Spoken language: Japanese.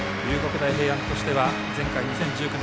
大平安としては前回、２０１９年